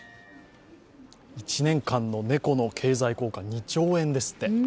１年間の猫の経済効果２兆円ですって。